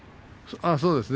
そうですね。